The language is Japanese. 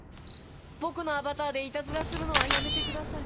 僕のアバターでイタズラするのはやめてください。